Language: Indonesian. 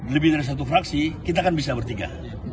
lebih dari satu fraksi kita kan bisa bertiga